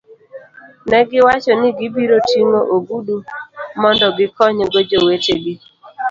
Ne giwacho ni gibiro ting'o ogudu mondo gikonygo jowetegi.